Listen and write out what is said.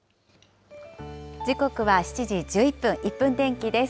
時刻は７時１１分、１分天気です。